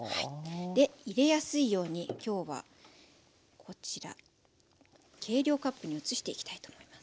入れやすいように今日はこちら計量カップに移していきたいと思います。